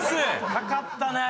かかったねぇ。